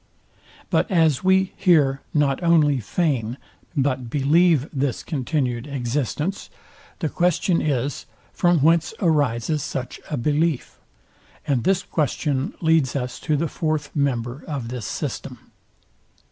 But as we here not only feign but believe this continued existence, the question is, from whence arises such a belief; and this question leads us to the fourth member of this system.